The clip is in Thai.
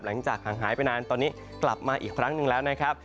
หลังจากห่างหายไปนานตอนนี้กลับมาอีกครั้งหนึ่งแล้วนะครับ